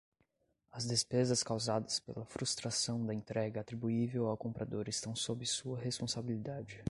As despesas causadas pela frustração da entrega atribuível ao comprador estão sob sua responsabilidade.